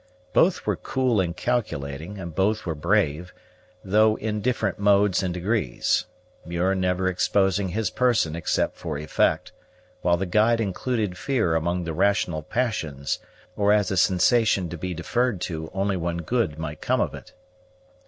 Both were cool and calculating, and both were brave, though in different modes and degrees; Muir never exposing his person except for effect, while the guide included fear among the rational passions, or as a sensation to be deferred to only when good might come of it.